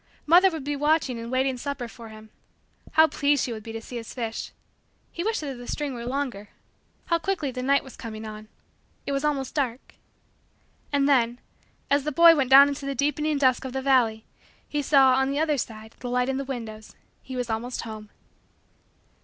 Mother would be watching and waiting supper for him. How pleased she would be to see his fish. He wished that the string were longer. How quickly the night was coming on. It was almost dark. And then, as the boy went down into the deepening dusk of the valley, he saw, on the other side, the light in the windows. He was almost home.